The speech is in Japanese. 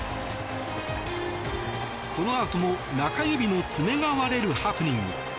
そのあとも中指の爪が割れるハプニング。